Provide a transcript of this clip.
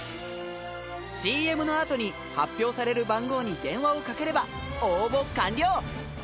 ＣＭの後に発表される番号に電話をかければ応募完了。